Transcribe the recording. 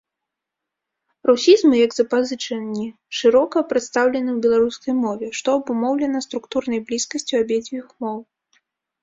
Русізмы як запазычанні шырока прадстаўлены ў беларускай мове, што абумоўлена структурнай блізкасцю абедзвюх моў.